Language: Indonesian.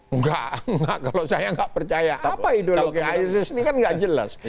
enggak enggak kalau saya nggak percaya apa ideologi isis ini kan nggak jelas